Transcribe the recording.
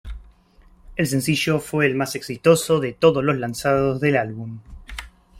El sencillo fue el más exitoso de todos los lanzados del álbum.